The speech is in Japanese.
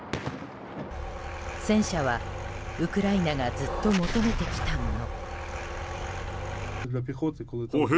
戦車はウクライナがずっと求めてきたもの。